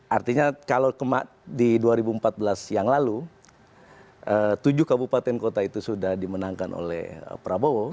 artinya kalau di dua ribu empat belas yang lalu tujuh kabupaten kota itu sudah dimenangkan oleh prabowo